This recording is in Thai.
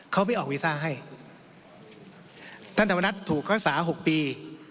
เขาไม่ออกวีซ่าให้ท่านธรรมนัฐถูกรักษา๖ปี